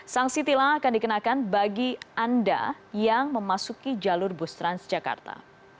sangsitilah akan dikenakan bagi anda yang memasuki jalur bus trans jakarta